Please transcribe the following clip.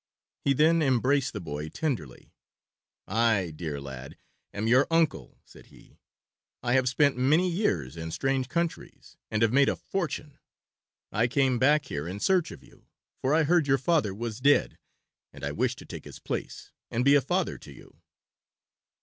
He then embraced the boy tenderly. "I, dear lad, am your uncle," said he. "I have spent many years in strange countries, and have made a fortune. I came back here in search of you, for I heard your father was dead, and I wish to take his place and be a father to you."